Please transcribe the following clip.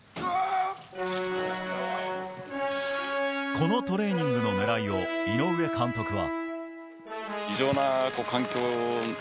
このトレーニングの狙いを井上監督は。